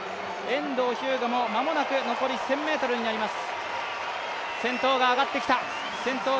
遠藤日向も間もなく残り１０００ｍになります。